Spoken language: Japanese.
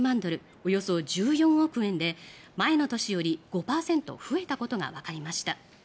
およそ１４億円で前の年より５％増えたことがわかりました。